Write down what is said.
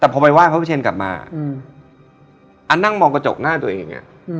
แต่พอไปไห้พระวิเชียนกลับมาอันนั่งมองกระจกหน้าตัวเอง